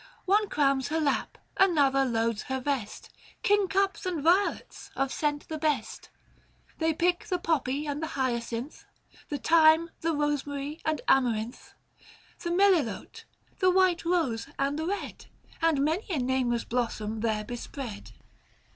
One crams her lap, another loads her vest, Kingcups and violets, of scent the best, They pick the poppy and the hyacinth, The thyme, the rosemary, and amarynth, 490 The inelilote, the white rose and the red, And many a nameless blossom there bespread.